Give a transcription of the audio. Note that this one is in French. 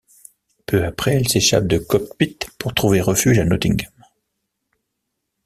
Peu après, elles s'échappent de Cockpit pour trouver refuge à Nottingham.